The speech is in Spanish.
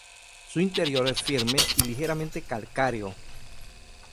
Su interior es firme y ligeramente calcáreo.